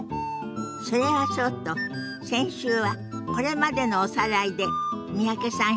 それはそうと先週はこれまでのおさらいで三宅さん